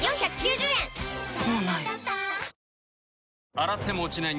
洗っても落ちない